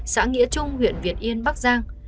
xã nghĩa trung huyện việt yên bắc giang